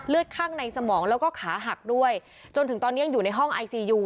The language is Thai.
ข้างในสมองแล้วก็ขาหักด้วยจนถึงตอนนี้ยังอยู่ในห้องไอซียู